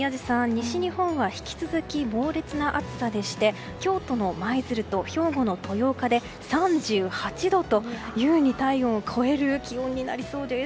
西日本は引き続き猛烈な暑さでして京都の舞鶴と兵庫の豊岡で３８度と、優に体温を超える気温になりそうです。